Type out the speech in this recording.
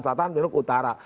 selatan pindah ke utara